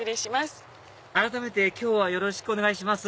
改めて今日はよろしくお願いします